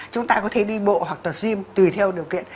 chúng ta có thể đi bộ hoặc tập gym tùy theo điều kiện